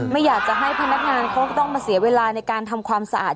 ไม่อยากจะให้พนักงานเขาก็ต้องมาเสียเวลาในการทำความสะอาด